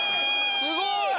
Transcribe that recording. すごい！